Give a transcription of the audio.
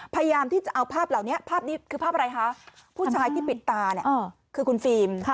พยายามที่จะเอาภาพเหล่านี้ภาพนี้คือภาพอะไรคะผู้ชายที่ปิดตาเนี่ยคือคุณฟิล์ม